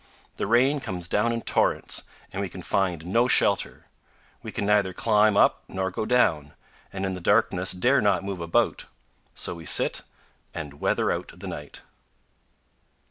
The rain comes down in torrents and we can find no shelter. We can neither climb up nor go down, and in the darkness dare not move about; so we sit and "weather out" the night.